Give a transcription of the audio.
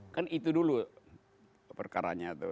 kan itu dulu perkaranya tuh